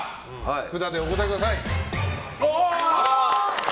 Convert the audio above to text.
札でお答えください。